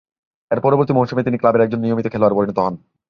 এর পরবর্তী মৌসুমে, তিনি ক্লাবের একজন নিয়মিত খেলোয়াড়ে পরিণত হন।